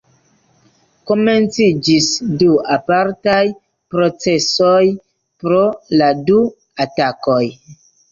Komenciĝis du apartaj procesoj pro la du atakoj.